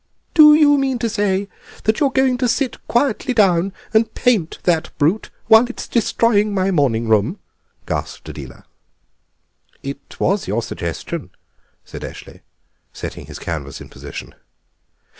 "Do you mean to say that you're going to sit quietly down and paint that brute while it's destroying my morning room?" gasped Adela. "It was your suggestion," said Eshley, setting his canvas in position.